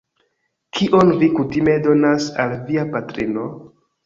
Kion vi kutime donas al via patrino?